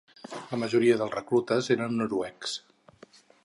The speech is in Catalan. La majoria dels reclutes eren noruecs.